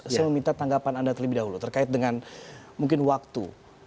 saya meminta tanggapan anda terlebih dahulu terkait dengan mungkin waktu